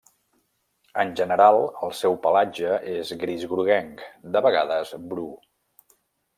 En general el seu pelatge és gris groguenc, de vegades bru.